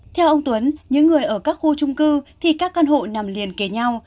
theo ông tuấn những người ở các khu trung cư thì các căn hộ nằm liền kề nhau